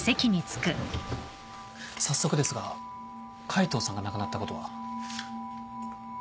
早速ですが海藤さんが亡くなったことは？